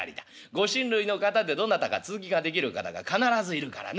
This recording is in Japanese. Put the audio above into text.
ご親類の方でどなたか続きができる方が必ずいるからね